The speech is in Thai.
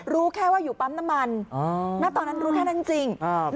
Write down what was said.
รู้แค่ว่าอยู่ปั้นดำมัน